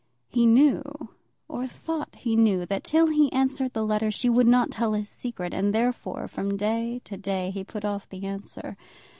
He knew, or he thought he knew, that till he answered the letter, she would not tell his secret, and therefore from day to day he put off the answer.